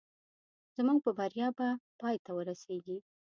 زموږ په بریا به پای ته ورسېږي